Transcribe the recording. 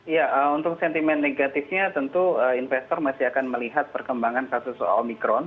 ya untuk sentimen negatifnya tentu investor masih akan melihat perkembangan kasus omikron